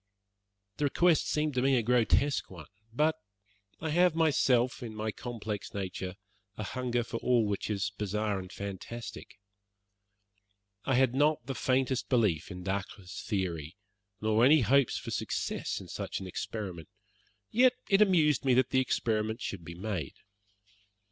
The request seemed to me a grotesque one; but I have myself, in my complex nature, a hunger after all which is bizarre and fantastic. I had not the faintest belief in Dacre's theory, nor any hopes for success in such an experiment; yet it amused me that the experiment should be made.